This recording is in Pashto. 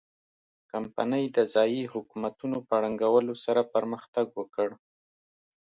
کمپنۍ د ځايي حکومتونو په ړنګولو سره پرمختګ وکړ.